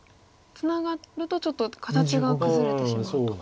ツナがるとちょっと形が崩れてしまうと。